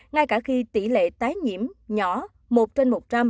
ngay cả khi tỷ lệ tái nhiễm nhỏ một trên một trăm linh